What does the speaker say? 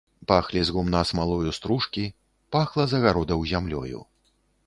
Пахлі з гумна смалою стружкі, пахла з агародаў зямлёю.